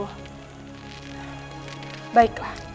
sendiko dawah kanjeng ratu